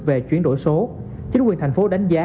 về chuyển đổi số chính quyền thành phố đánh giá